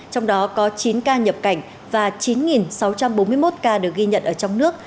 trong đó có chín ca nhập cảnh và chín sáu trăm bốn mươi một ca được ghi nhận ở trong nước